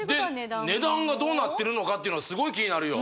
値段がどうなってるのかっていうのはすごい気になるよ